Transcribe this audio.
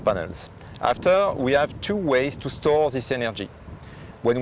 setelah itu kita memiliki dua cara untuk menyimpan energi ini